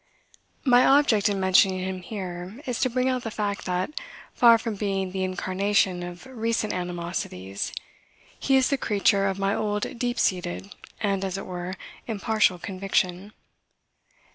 My object in mentioning him here is to bring out the fact that, far from being the incarnation of recent animosities, he is the creature of my old deep seated, and, as it were, impartial conviction.